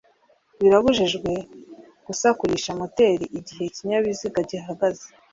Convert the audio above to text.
birabujijwe gusakurisha moteri igihe ikinyabiziga gihagaze.